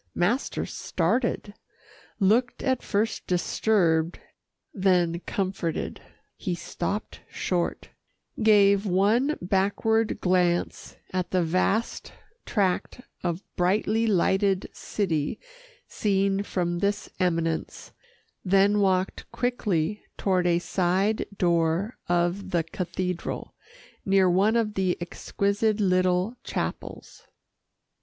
Master started, looked at first disturbed, then comforted. He stopped short, gave one backward glance at the vast tract of brightly lighted city seen from this eminence, then walked quickly toward a side door of the cathedral, near one of the exquisite little chapels.